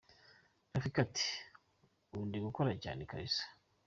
Rafiki ati, “Ubu ndigukora cyane kabisa.